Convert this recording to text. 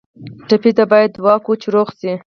ټپي ته باید دعا کوو چې روغ شي.